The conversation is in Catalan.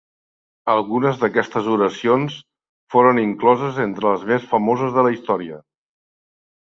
Algunes d'aquestes oracions foren incloses entre les més famoses de la història.